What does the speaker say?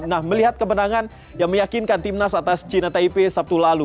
nah melihat kemenangan yang meyakinkan timnas atas cina taipei sabtu lalu